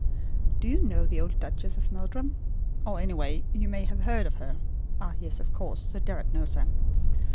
Do you know the old Duchess of Meldrum? Or anyway, you may have heard of her? Ah, yes, of course, Sir Deryck knows her.